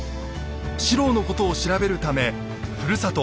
四郎のことを調べるためふるさと